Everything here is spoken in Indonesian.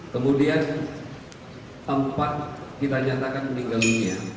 kemudian empat kita nyatakan meninggal dunia